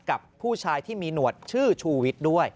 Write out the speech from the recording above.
กับผู้ชายที่มีหนวดชื่อชูวิทย์ด้วย